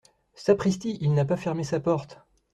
Sapristi ! il n’a pas fermé sa porte.